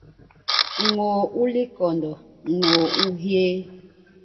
ñôô u likondo; ñôô u hyéé.